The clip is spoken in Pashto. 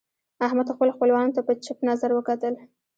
احمد خپلو خپلوانو ته په چپ نظر وکتل.